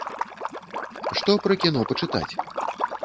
Што пра кіно пачытаць?